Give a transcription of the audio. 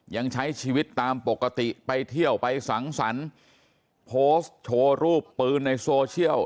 ยังใช้ชีวิตตามปกติไปเที่ยวไปสังสรรค์โพสต์โชว์รูปปืนในโซเชียล